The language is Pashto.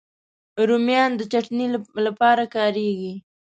رومیان د چټني لپاره کارېږي